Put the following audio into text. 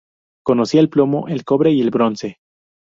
Conocía el plomo, el cobre y el bronce.